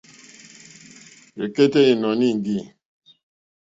Rzɛ̀kɛ́tɛ́ ìnɔ̀ní íŋɡî.